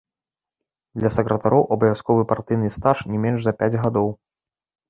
Для сакратароў абавязковы партыйны стаж не менш за пяць гадоў.